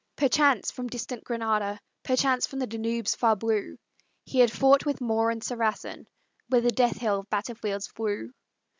Perchance from distant Granada, Perchance from the Danube's far blue, He had fought with Moor and Saracen, Where the death hail of battle fields flew.